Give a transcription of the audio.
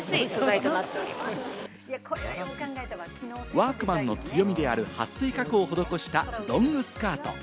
ワークマンの強みである撥水加工を施したロングスカート。